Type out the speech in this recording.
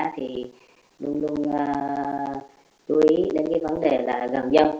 thì luôn luôn chú ý đến cái vấn đề là gần dân